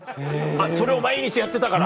それを毎日やってたから。